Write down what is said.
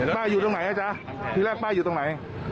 ป้าอยู่ตรงไหนอ่ะจ๊ะทีแรกป้าอยู่ตรงไหน